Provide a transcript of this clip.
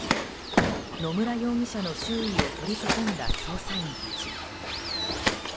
野村容疑者の周囲を取り囲んだ捜査員たち。